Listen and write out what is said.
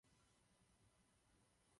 Nevidím je.